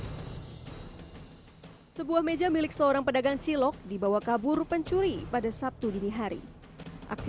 hai sebuah meja milik seorang pedagang cilok dibawa kabur pencuri pada sabtu dini hari aksi